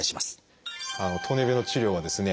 糖尿病の治療はですね